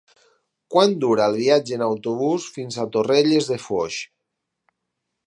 Quant dura el viatge en autobús fins a Torrelles de Foix?